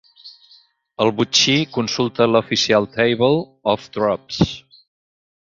El botxí consulta l'Official Table of Drops.